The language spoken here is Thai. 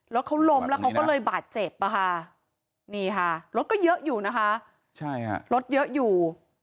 แล้วเขาล้มแล้วเขาก็เลยบาดเจ็บอะค่ะนี่ค่ะรถก็เยอะอยู่นะคะใช่ค่ะรถเยอะอยู่